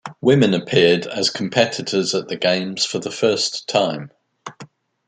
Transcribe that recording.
Women appeared as competitors at the games for the first time.